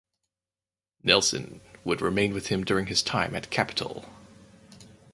Nelson would remain with him during his time at Capitol.